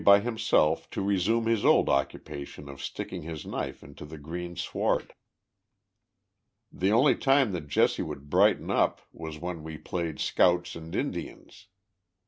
by himself to resume his old occupation of sticking his knife into the green sward. The only Lime that Jesse would brighten up was when we played ; Scouts and Indians.